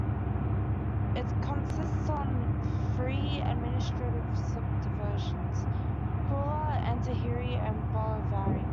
It consists of three administrative subdivisions : Kurla, Andheri, and Borivali.